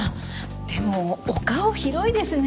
でもお顔広いですね。